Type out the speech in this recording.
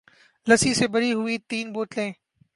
لسی سے بھری ہوئی تین بوتلیں